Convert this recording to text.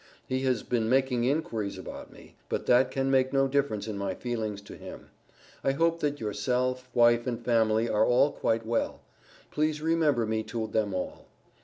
He has been making inquiries about me, but that can make no difference in my feelings to him. I hope that yourself, wife and family are all quite well. Please remember me to them all.